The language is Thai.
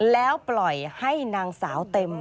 แล้วปล่อยให้นางสาวเต็ม